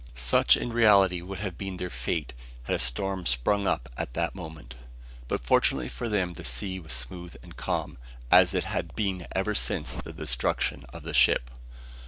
Such in reality would have been their fate, had a storm sprung up at that moment; but fortunately for them the sea was smooth and calm, as it had been ever since the destruction of the ship.